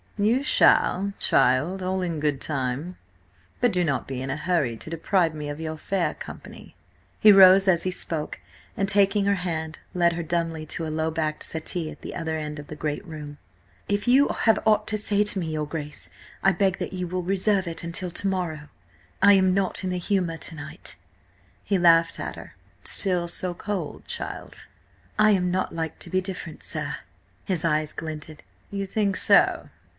"You shall, child, all in good time. But do not be in a hurry to deprive me of your fair company." He rose as he spoke, and taking her hand, led her dumbly to a low backed settee at the other end of the great room. "If you have aught to say to me, your Grace, I beg that you will reserve it until to morrow. I am not in the humour to night." He laughed at her. "Still so cold, child?" "I am not like to be different, sir." His eyes glinted. "You think so?